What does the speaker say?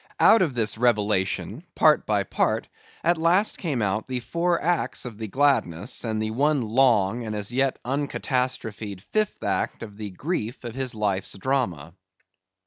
Out of this revelation, part by part, at last came out the four acts of the gladness, and the one long, and as yet uncatastrophied fifth act of the grief of his life's drama.